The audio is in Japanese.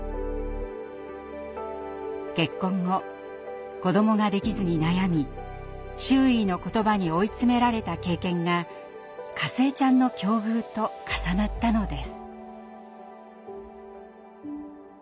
結婚後子どもができずに悩み周囲の言葉に追い詰められた経験がかずえちゃんの境遇と重なったのです。